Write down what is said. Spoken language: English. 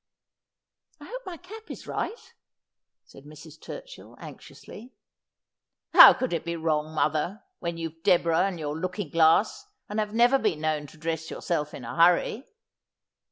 ' I hope my cap is right,' said Mrs. Turchill anxiously. ' How could it be wrong, mother, when you've Deborah and your looking glass, and have never been known to dress yourself in a hurry